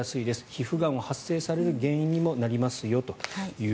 皮膚がんを発生させる原因にもなりますよと。